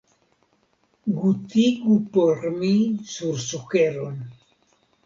Gutigu por mi sur sukeron!